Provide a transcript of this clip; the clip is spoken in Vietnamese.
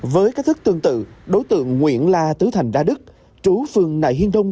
với các thức tương tự đối tượng nguyễn la tứ thành đa đức trú phương nại hiên đông